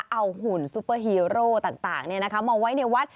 เอาหุ่นซุปเปอร์ฮีโร่ต่างมาไว้ในวัด